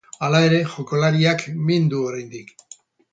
Hala ere, jokalariak min du oraindik.